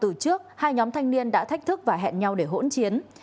từ trước hai nhóm thanh niên đã thách thức và hẹn nhau để hỗn chiến